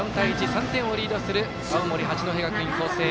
３点をリードする青森、八戸学院光星。